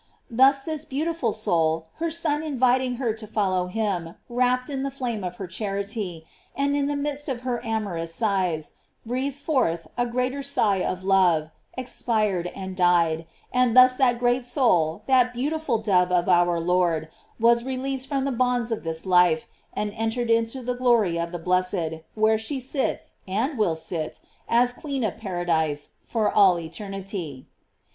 Thus, this beautiful soul, her Son inviting her to follow him, wrapped in the flame of her charity * App. S. gio. Dam. or. de Ass. V. 492 GLORIES OP MART. and in the midst of her amorous sighs, breathed forth a greater sigh of love, expired and died* and thus that great soul, that beautiful dove oi our Lord, was released from the bonds of thig life, and entered into the glory of the blessed, where she sits, and will sit, as queen of paradise, for all eternity.